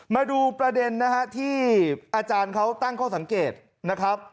มาดูประเด็นนะฮะที่อาจารย์เขาตั้งข้อสังเกตนะครับ